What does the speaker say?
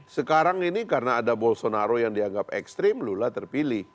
sekarang ini karena ada bolsonaro yang dianggap ekstrim lula terpilih